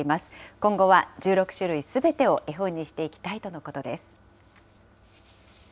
今後は１６種類すべてを絵本にしていきたいとのことです。